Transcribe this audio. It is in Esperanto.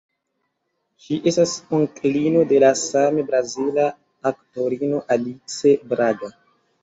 Ŝi estas onklino de la same brazila aktorino Alice Braga.